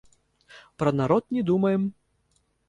Пра народ не думаем.